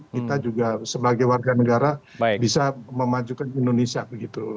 kita juga sebagai warga negara bisa memajukan indonesia begitu